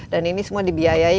dan ini semua dibiayai